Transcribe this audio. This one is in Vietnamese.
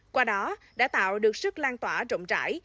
qua đó đã tạo được sức lan tỏa rộng rãi